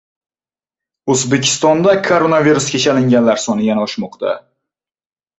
O‘zbekistonda koronavirusga chalinganlar soni yana oshmoqda